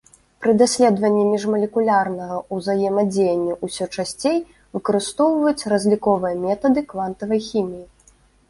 Пры даследаванні міжмалекулярнага ўзаемадзеяння ўсё часцей выкарыстоўваюць разліковыя метады квантавай хіміі.